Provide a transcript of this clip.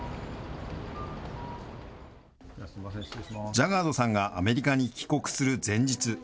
ジャガードさんがアメリカに帰国する前日。